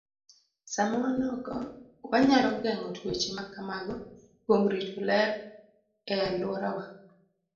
Sama wan oko, wanyalo geng'o tuoche ma kamago kuom rito ler e alworawa.